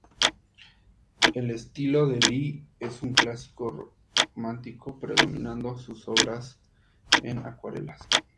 El estilo de Lee es un clásico romántico predominando sus obras en acuarelas.